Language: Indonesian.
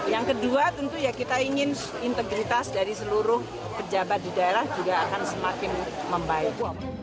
yang kedua tentu ya kita ingin integritas dari seluruh pejabat di daerah juga akan semakin membaik